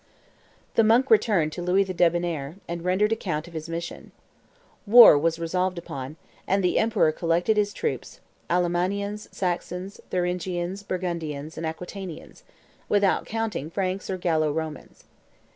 The monk returned to Louis the Debonnair, and rendered account of his mission. War was resolved upon; and the emperor collected his troops, Allemannians, Saxons, Thuringians, Burgundians, and Aquitanians, without counting Franks or Gallo Romans.